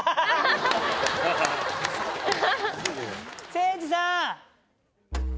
・せいじさん！